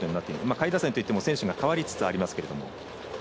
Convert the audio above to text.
下位打線といっても選手が代わりつつありますけど。